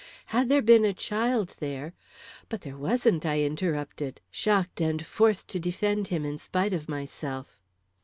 Had there been a child there " "But there wasn't!" I interrupted, shocked and forced to defend him in spite of myself.